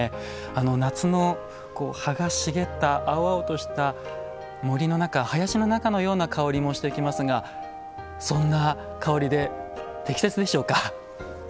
夏の葉が茂った青々とした森の中、林の中のような香りもしてきますがそんな香りで適切でしょうか？